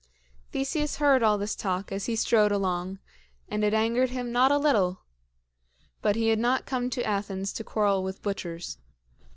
Theseus heard all this talk as he strode along, and it angered him not a little; but he had not come to Athens to quarrel with butchers.